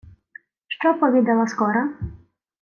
— Що повідала скора?